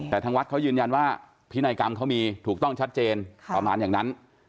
แต่ทางวัดเขายืนยันว่าพินัยกรรมเขามีถูกต้องชัดเจนประมาณอย่างนั้น